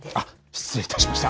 失礼いたしました。